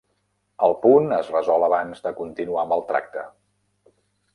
El punt es resol abans de continuar amb el tracte.